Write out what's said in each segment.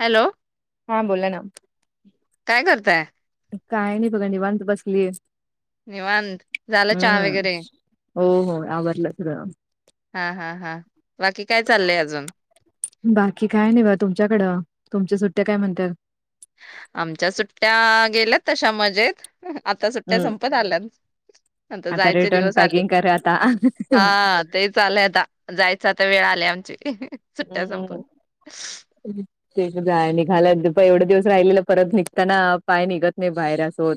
Hello हा बोलाना काय करताय? काय नाही थोडं निवांत बसलीये. निवांत. झालं चहा वगैरे? हो हो आवरंलं सगळं. हा हा हा बाकी काय चाललंय अजून बाकी काय नाही बा तुमच्याकडं. तुमच्या सुट्ट्या काय म्हणत्यात? आमच्या सुट्ट्या गेल्यात तशा मजेत आता सुट्ट्या हम्म संपत आल्यात आता जायचे रिटर्न दिवस पॅकिंग आलेत करा आता. हा तेच आलंय आता जायचं आता वेळ आ लय आमचे सुटट्या संपून हम्म ते जाय निघाला प एवढे दिवस राहिलेलं परत निघताना पाय निघत नाहीत.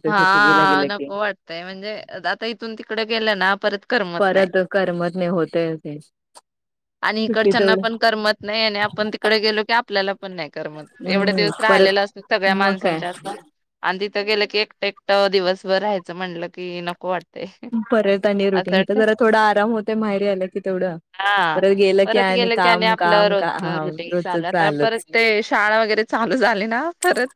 हा नको वाटतय म्हणजे आता इथून तिकड गेलं ना परत करमत नाही परत करमत नाही होतय ते आणि सुट्टी इकडच्याना तेवढ पण करमत नाही आणि आपण तिकडे गेलो की आपल्याला पण नाही करमत एवढ्या हम्म दिवस परत राहिलेला असत सगळ्या मग काय माणसांच्या आतला आणि त त गेल की एक एकटं दिवसभर राहायचं म्हटलं की नको वाट असं वाटतयं परत आणि रुटीन इथं जरा थोडा आराम होतोय माहेरी आला की तेवढं हा परत गेलं परत गेल की आणि काम आपलं काम रोजच काम रुटीन रोजच चालू परत चालूच. ते शाळा वगैरे चालू झाली ना परत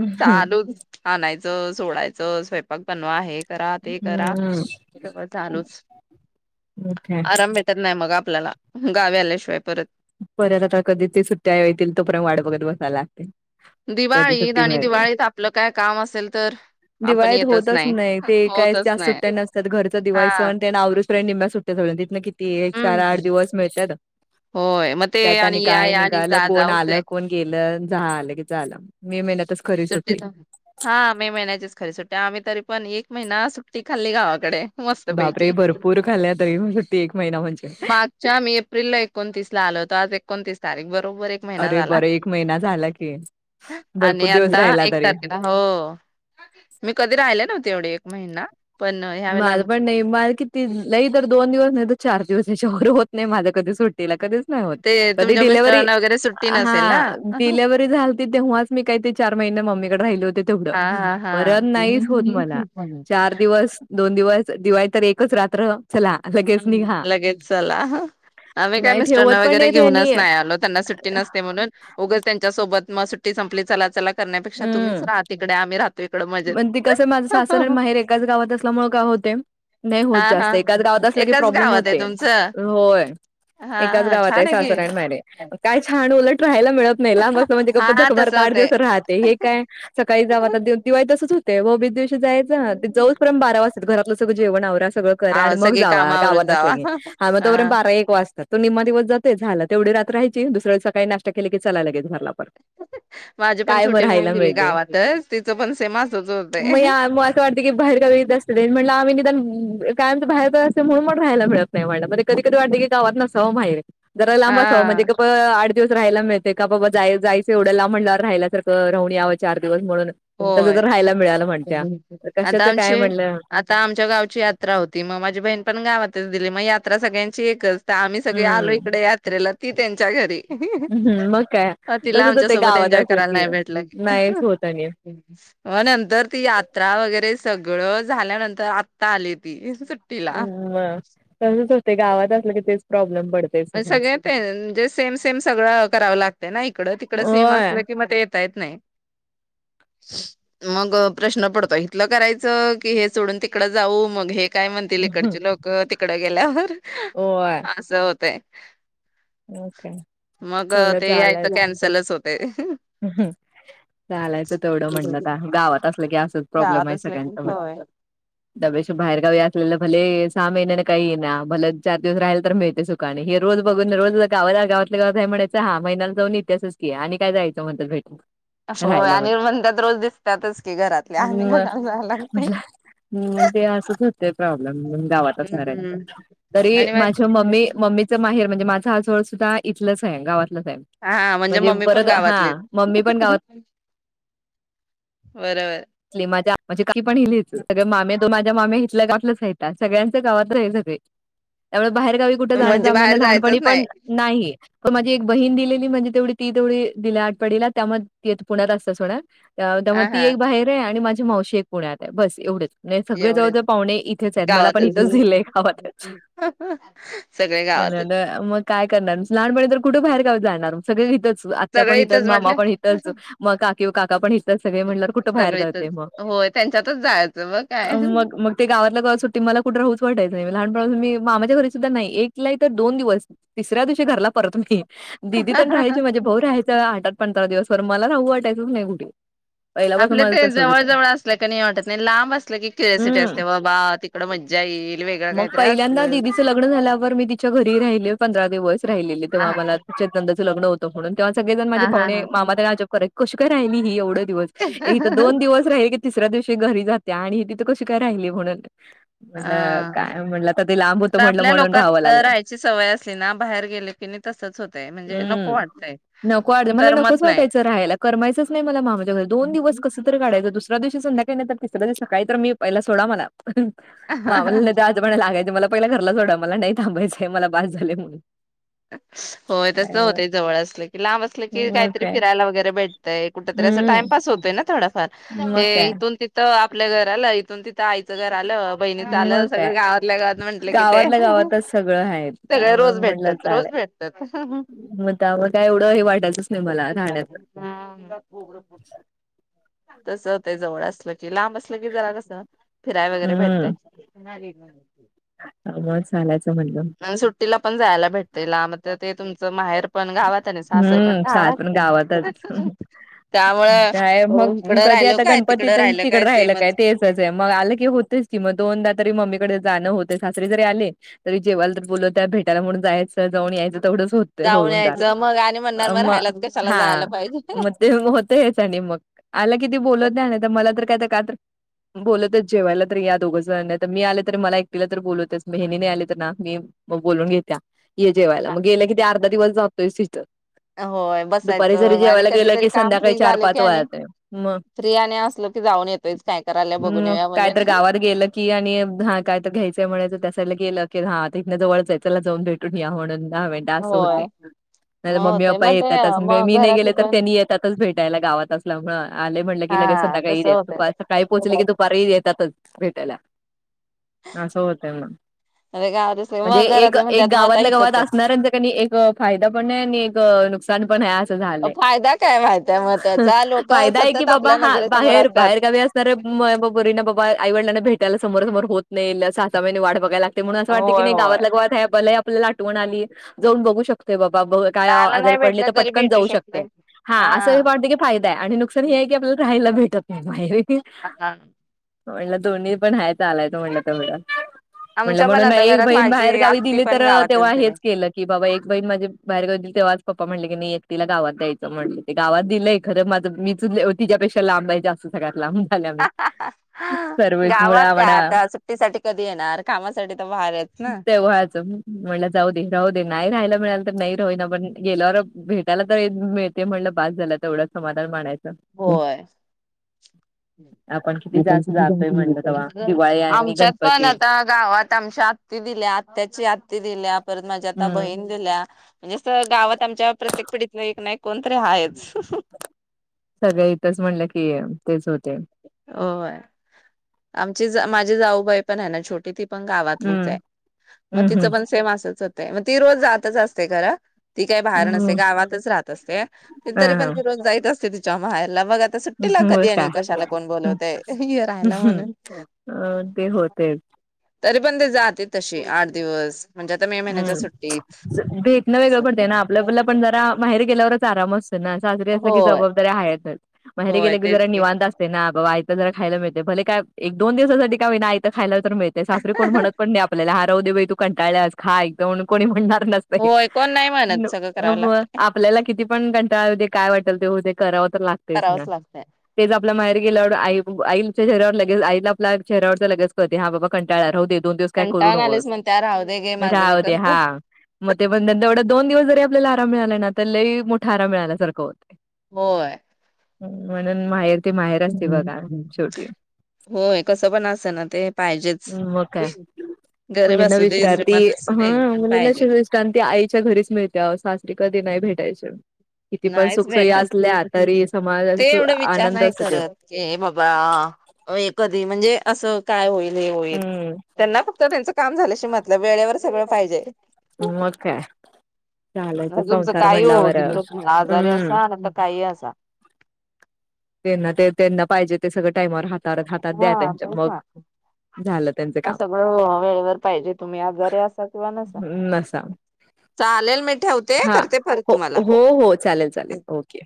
हम्म चालूच हा नाय [unintelligible] सोडायचं, स्वयंपाक बनवा हे. करा ते करा हे सगळ चालूच मग काय आराम भेटत नाही मग आपल्याला गावी आल्याशिवाय परत परत आता कधी ते सुट्ट्या येतील तोपर्यंत [unintelligible] कधी दिवाळीत सुट्टी आणि मिळायची? दिवाळीत आपलं काय काम असेल तर [inaudible] आपण दिवाळीत येतच होतच नाही ते काय होतच जास्त सुट्ट्या नाही नसतात घरचं हा दिवाळसण तेन आवरूसतो पर्यंत निम्म्या सुट्ट्या [unintelligible] तिथंन किती एक चार आठ हम्म दिवस मिळत्यात. होय म ते आणि या, या आणि जा, जा होतय आलं कोण गेलं झालं की झालं म मे महिन्या सुट्टी थांब हा मे महिन्याचीच खरी सुट्टी आम्ही तरी पण एक महिना सुट्टी खाल्ली गावाकडे. बापरे मस्तपैकी भरपूर खाल्ल्या तरी पण सुट्टी एक महिना म्हणजे माागच्या मे एप्रिलला एकोणतीसला आल होत आज एकोणतीस तारीख बर बरोबर एक महिना अरे झाला बरं एक महिना झाला की अ भरपूर आणि दिवस आता राहिला एक तरी तारखेला हो मी कधी राहिले नव्हते एवढी महिना पण ह्या वेळेला माझं आमची पण नाही माझं किती लई तर दोन दिवस नाही तर चार दिवस तेच्यावर होत नाही माझं कधी सुट्टीला खरंच नाही होत ते कधी तुमच्या डिलेव्हरी मिस्टरांना वगैरे सुट्टी नसेल ना हा डिलेव्हरी झालती तेव्हाच मी काही ते चार महिने मम्मीकडे राहिले होते तेवढं हा हा परत हा नाहीच होत मला चार दिवस दोन दिवस दिवाळी तर एकच रात्र चला लगेच निघा लगेच चला आम्ही काय नाही ठेवत मिस्टरांना पण वगैरे नाही घेऊनच त्यांनी नाही आलो त्यांना सुट्टी नसते म्हणून उगच त्यांच्या सोबत मग सुट्टी संपली चला चला करण्यापेक्षा तुम्हीच हम्म राहा तिकडे आम्ही राहतो इकडे मजेत. पण ते कस माझं सासर आणि माहेर एकाच गावात असल्यामुळे काय होतय नाही होत हा जास्त हा एकाच गावात असलं की एकाच प्रॉब्लेम गावात आहे होते, तुमचं? होय हा एकाच हा गावात छान आहे सासर की आणि [unintelligible] काय थां आणि उलट राहायला मिळत नाही लांब असलं म्हणजे गप हा झक तस मारत आठ होतय. दिवस राहत हे काय सकाळी जाव आता [unintelligible] तसंच होतंय ओ त्या दिवशी जायचं ते जाऊसतोपर्यंत बारा वाजतात घरात सगळं जेवण आवरा सगळं करा आ आणि मग सगळे जावा कामावरून गावात जावा. आसलकी आव तो पर्यंत हा बारा एक वाज तो निम्मा दिवस जाते झाला तेवढी रात राहायची दुसरेसकाळी नाश्ता केलं की चला लगेच घरला पर माझी पण काय म छोटी बहीण राहायला दिली मिळतंय, गावातच तिचं पण सेम असच होतय. मग या मग असं वाटते की बाहेर गावी जास्त वेळ म्हटलं आम्ही निदान काय आमच बाहेरच असल्यामुळ म्हणून मग राहायला मिळत नाही मला कधी कधी वाटते की गावात नसावं माहेर जरा लांब असाव हा म्हणजे कस किती दिवस रहायला मिळतय का बघूया जाय जायचं एवढ्या लांब म्हणल्यावर रहायला तर हो राहून याव चार दिवस म्हणून तसं होय तर राहायला मिळालं म्हणत्या तर आता कशाचं काय आमची म्हणलं आता आमच्या गावची यात्रा होती मग माझी बहीण पण गावातच दिलि मग या सगळ्यांची एकच आम्ही सगळे आलोय हम्म इकड यात्रेला ती त्यांच्या घरी मग काय तिला तसच आमच्या होते सोबत गावात एन्जॉय असलं करायला की नाही भेटलं नाहीच होत आणि अ नंतर ती यात्रा वगैरे सगळ झाल्या नंतर आता आले ती सुट्टीला हम्म कमीच हा ते गावात असलं की तेच प्रॉब्लेम पडतेच सगळे ते म्हणजे सेम सेम सगळं करावं लागतंय ना इकडं तिकडं सेम होय असलं कि मग ते येता येत नाही मग प्रश्न पडतो इथलं करायचं की हे सोडून तिकडं जाऊ मग हे काय म्हणतील इकडचे लोक तिक गेल्यावर होय ते म काय तेवढ ते यायचं चालायच कॅन्सलच होते. हम्म चालायच तेवढं म्हटलं आता गावात असलं की असच प्रोब्लेम आहे गावातच लगे सगळ्यांचा म्हणे होय त्या पेक्षा बाहेर गावी आसलेलं भले सहा महिन्याने का येईना भले चार दिवस राहायला तरी मिळत सुखाने हे रोज बग पण रोज गावातल्या गावात हाय म्हणायच हा महिन्याला जाऊन येत्यासच की आणि काय जायच म्हणत्यात होय राहायला पण आणि म्हणतात रोज दिसतातच की घरातल्या आणि हम्म घराला जायला लागतय. ते असच होतय प्रोब्लेम मग गावात हम्म असणाऱ्यांचं तरी आणि माझी माझ्या मम्मी मम्मीच माहेर माझं आझोळ सुद्धा इथलंच आहे गावात हा म्हणजे मम्मी पण परत हा गावातलीच मम्मी पण गाव बरोबर माझ काकी पण ह सगळे माम्या दोन माझ्या माम्या हितल्या गावातल्याच आहेता सगळ्यांच गावात आहे सगळे त्यामुळे बाहेर गावी कुठ जाण्याचा म्हणजे आम्हाला बाहेर लहान तरी जायचंच पण नाही नाही पण माझी एक बहीण दिलेली म्हणजे तेवढी ती तेवढी दिल्या आटपाडीला त्या मग ती आता पुण्यात असते सोडा त्या त्यामुळे हा ती हा एक बाहेर आहे आणि माझी मावशी एक पुण्यात आहे बस एवढंच एवढेच गावातच इथंच दिलंय गावातच सगळे गावातच मग काय करणार? लहानपणी तर कुठं बाहेरगावी जाणार? सगळीक हितंच आत्या पण सगळे हितंच, इथच मामा म्हटलं पण हितंच, मग का त्यू काका पण सगळे म्हणल्यावर कुठं बाहेर सगळे इथच जाते मग होय त्यांच्यातच जायचं मग काय मग मग ते गावातल्या गावात सुट्टी मला कुठ राहूच वाटायचं नई लहानपणा पासून मी मामाच्या घरी सुद्धा नाई इ तल्या इत दोन दिवस तिसऱ्या दिवशी घरला परत मी दीदी तेण रहायचे माझे भाऊ रहायचा आट आट पंधरा दिवसभर मला राहू वाटायचंच नाही कुठे पहिल्यापासून आपलं माझं ते तसंच जवळ जवळ असल कनी वाटत नई लांब असल की क्युरिसिटी हम्म. असते बाबा तिकड मज्जा येईल वेगळं मग काहीतरी पयल्यांदा दिदीचं लग्न झाल्यावर मी तिच्या घरी राहिले पंधरा दिवस राहिलेले तेव्हा असल मला चेतन दाच च लग्न होत म्हणून तेव्हा सगळेजण हा माझे हा पाहुणे हा मामा तेण अजब कराय कशी काय राहिली ही एवढं दिवस ये हितं हा दोन दिवस राही की तिसऱ्या दिवशी घरी जा त्या आणि तिथं कशी काय राहिली म्हणून म्हण काय म्हणलं आता ते लांब होत आता म्हणलं आपल्या म्हणून राहवं लोकात लागल राहायची सवय असली ना बाहेर गेले की नाही तसच होतय उ म्हणजे नको वाटतय नको वाटतय मला नकोच करमत नाही वाटायच राहायला करमायचच नाही मला मामा च्या घरी दोन दिवस कसं तर काढायचं दुस ऱ्या दिवशी संध्याकाळी नाही तर तिसऱ्या दिवशी सकाळी तर मी पयला सोडा मला नाव लिल्यात त्या आजोबांना लागायच म लप पयला घरला सोडा मला नाई थांबायचंय मला बास झालय म्हणून होय तस होतय जवळ असलं की लांब असलं की मग कायतरी काय फिरायला वगैरे भेट ते कुठ तरी असं हम्म टाइमपास होतोय ना थोडाफार मग हे काय इथून तिथं अ आपल्या घराला इथून तिथं आईचं घर जालं बहिणीच मग आलं काय सगळ गावातल्या गावात म्हंटलं की ते गावातल्या गावातच सगळं आहे सगळ त्यामुळे रोज भेट म्हटलं रोज चालेल भेटत्यात मग त्यामुळे काय एवढं हे वाटायचंच नाही मला राहण्याचं तस होतय जवळ असल ते लांब असल की जरा कस फिराय वगैरे भेटतय, हम्म [unintelligible] [unintelligible] त्यामुळे चालायच आन् सुट्टीला पण जायाला भेटतय लांब त ते तुम च माहेर पण गावात आणि सासर पण हम्म सासण गावातच त्यामुळे काय मग इकडं कधी राहिल आता काय गणपती तिकडं तेन राहिलं तिकड राहिल काय सेमच तेचच ये मग आलं की होतयच कि म दोनदा तरी मम्मीकडे जाणं होतय सासरी जरी आले तरी जेवायला तर बोलवत्या भेटायला म्हणून जायचं जाऊन यायचं तेवढंच होते जाऊन होऊन जाते यायचं मग आणि म्हणणार मग राहायलाच कशाला हा जायला पाहिजे मग ते होतयच आणि मग आला कि ती बोलत नाही ना तर मला तर काय का तर बोलतच जेवायला तर या दोघं जण नाही तर मी आले तरी मला एकटीला तर बोलवतेच मग हेनी नाही आली तर ना मी मग बोलवुन घेत्या हे जेवायला मग गेले की अर्धा दिवस बस इथं होय दुपारी जर बसायचं आणि जेवायला गेलं कधीतरी की काम संध्याकाळी फ्री झाले चार-पाच की आणि वाळतंय मग फ्री आणि असलो की जाऊन येतोयच काय करायला बघून येऊया कायतर म्हणून गावात गेलं की आणि हं काय तर घ्यायचंय म्हणायचं तसं गेलं की हा आता इथन जवळच चला जाऊन भेटून या म्हणून दहा मिेनट असं होय होतय नाही तर मग मम्मी होतय पप्पा मग ते येतातच मग मी नाही घरातली गेले तर पण त्येनी येतातच भेटायला गावात असल्यामुळं आले म्हटलं की लगेच हा संध्याकाळी तस सकाळी पोचले की होतय दुपारी येतातच भेटायला असं होतय मग अरे गावात असल्या म्हणजे मग एक घरातले एक म्हणतात मग आता गावातल्या गावात इथंच आहे असणाऱ्यांचा कणी एक फायदा आणि एक नुकसान पण हाय आ झाले फायदा काय माहितय मग त्याचा लोक फायदा आहे की सतत बाबा आपल्या हा नजरेसमोर बाहेर असतात बाहेर गावी असणाऱ्या पोरींना बाबा आईवडिलांना भेटयला समोरा समोर होत नाही सहा सहा महिने वाट बघाय लाग ते म्हणून असं वाटत क होय नाही होय गाावातल्या गावात आहे ब आपल्याला आठवण आली जाऊन बघू शकतोय बा [unintelligible] काय आवं दहाला आजारी नाही पडले भेटलं तर तरी पटकन भेटू जाऊ शकते शकतय हा हां असंही वाटतं की फायदाय आणि नुकसान हे आहे की आपल्याला राहायला भेटत नाही भाहेहे [inaudible] म्हणलं दोन्ही पण हाय चालायचं म्हणलं तेवढ म्हणलं आमच्या पण म्हणून आता एक घरात बहीण बाहेर माझी गावी आत्ती दिली पण तर तेव्हा गावातच हेच दिले केलं की बाबा एक बहीण माझी बाहेर गावात दिलं तेव्हाच पप्पा म्हटले की नाही एकटीला गावात द्यायच म्हटलं ते गावात दिलंय खरं माझं मीच तिच्यापेक्षा लांब हायं जास्त सगळ्यात लांब आल्या मी सर्विसमुळे गावात काय आम्हानां आता सुट्टीसाठी कधी येणार कामासाठी तर बाहेर आहेत ना तेव्हाच म्हणलं जाऊ दे राहू दे नाही राहायला मिळाल नई रहीना पण गेल्यावर भेटायला तर मिळतंय म्हणलं बास झालं तेवढंच समाधान मानायचं व्हय आपण किती जास्त जातोय म्हणलं तेव्हा [unintelligible] दिवाळी आणि आमच्यात पण गणपती. आता गावात आमच्या आत्ती दिल्या आत्याची आ ती दिल्या परत माझी आता हम्म बहीण दिल्या जसं गावात आमच्या प्रत्येक पिढीतलं एक ना एक कोणतर हायच [inaudible] सगळ इथंच म्हणलं की तेच होतय हो आमची माझी जाऊबाई पण आहे ना छोटी ती पण गावातलीच आहे हम्म. मग हम्म तिच पण सेम असच मग ती रोज जातच असते खर ती काही बाहेर नसते हम्म. गावातच राहत असते ह तरी पण ती रोज जाईत असते चा माहेरला बघत त ह सुट्टीला हो कधी का आणि चला कोण हं, बोलवतय ये रहायला हं. म्हणून अ ते होतेच. तरी पण ते जाते तशी आठ दिवस म्हणजे आता मे महिन्याच्या सुट्टीत हम्म भेटणं वेगळं पडतंय ना आपल आपलं पण जरा माहेरी गेल्यावरच आराम असतो ना सासरी असल की होय जबाबदारी हायेतच माहेरी होय गेले की तेच जरा निवांत असतय ना हा बाबा आयतं जरा खायला मिळतय भले काय एक दोन दिवसासाठी का होईना आयतं खायला तर मिळतंय सासरी कोण म्हणत पण नाही आपल्याला हा राहूदे बाई तू कंटाळ्यास खा आयत म्हणून कोणी म्हणणार नसतंय होय कोण नाही न म्हणत सगळं करावं व लागतंय आपल्याला किती पण कंटाळा येऊ दे काय वाट चल ते होऊ दे करावं तर लागतंयच ना करावंच लागतंय तेच आप आपल्या माहेरी गेल्यावर आई आईचा चेहऱ्यावर लगेच आईला आपल्या चेहऱ्यावरच लगेच कळतंय हा बाबा कंटाळल्या राहूदे कंटाळून आलीयासं म्हणत्या राहूदे घे माझं मी राहूदे करतो हा मग ते [unintelligible] तेवढे दोन दिवस जरी आपल्याला काम मिळालंय ना तर लय मोठा आराम मिळाल्यासारखं होतं होय हम्म म्हणून माहेर ते माहेर [inaudible] असते बघा शेवटी होय कसं पण अस ना ते पाहिजेच मग गरीब असुदे श्री ती हं मुलीला [unintelligible] शांती आईच्या घरीच मिळते वो सासरी कधी नाही काय भेटायचं नाहीच भेट ते समाजात एवढं विचार आनंद नाही असतो त्यो. करत की बाबा ए कधी म्हणजे असं काय होईल जे होईल हम्म त्यांना फक्त त्यांच काम झाल्याशी मतलब वेळेवर सगळं पाहिजे मग काय चालायच संसार म्हटलावर मग आजारी असा नाहीतर काही असा त्यांना ते त्यांना पाहिजेत ते सगळं टाईमावर हातवर हातात द्या हा त्यांच्या तेच मग झालं त्यांच ना काम सगळं वेळेवर पाहिजे तुम्ही आजारी असा किंवा नसा नसा चालेल मी ठेवते हा करते परत हो तुम्हाला हो चालेल चालेल ओके